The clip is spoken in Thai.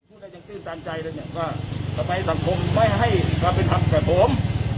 พูดได้จากตื่นตามใจแล้วเนี่ยก็สมัยสังคมไม่ให้กลับเป็นภัพดิ์แบบผม